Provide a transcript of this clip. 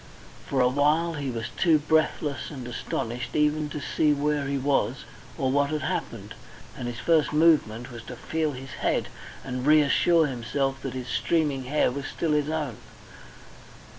For a while he was too breathless and astonished even to see where he was or what had happened. And his first movement was to feel his head and reassure himself that his streaming hair was still his own.